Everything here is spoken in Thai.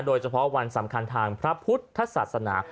โดยเฉพาะวันสำคัญทางพระพุทธศาสนา